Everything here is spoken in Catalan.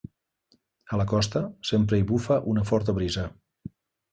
A la costa, sempre hi bufa una forta brisa.